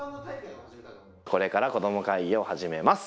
これから、子ども会議を始めます。